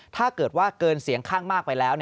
ถ้าเกิดว่าเกินเสียงข้างมากไปแล้ว